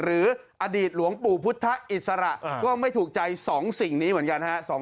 หรืออดีตหลวงปู่พุทธอิสระก็ไม่ถูกใจ๒สิ่งนี้เหมือนกันฮะ